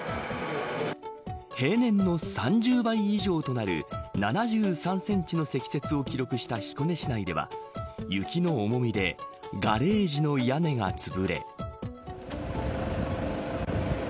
平年の３０倍以上となる７３センチの積雪を記録した彦根市内では雪の重みでガレージの屋根がつぶれ。